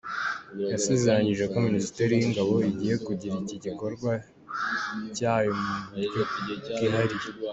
Yasezeranyije ko Minisiteri y’ingabo igiye kugira iki gikorwa icyayo mu buryo bwihariye.